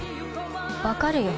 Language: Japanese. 分かるよ。